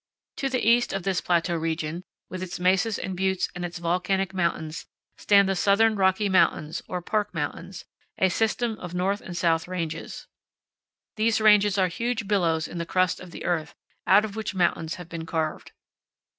To the east of this plateau region, with its mesas and buttes and its volcanic mountains, stand the southern Rocky Mountains, or Park Mountains, a system of north and south ranges. These ranges are huge billows in the crust of the earth out of which mountains have been carved.